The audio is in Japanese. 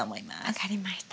分かりました。